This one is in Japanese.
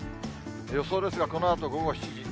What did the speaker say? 予想ですが、このあと午後７時。